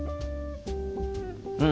うん。